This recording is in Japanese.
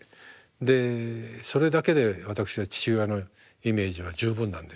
でそれだけで私は父親のイメージは十分なんです。